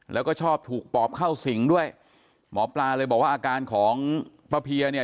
แล้วก็ชอบถูกปอบเข้าสิงด้วยหมอปลาเลยบอกว่าอาการของพระเพียเนี่ย